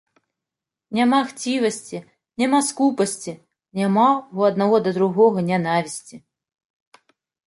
Няма хцівасці, няма скупасці, няма ў аднаго да другога нянавісці.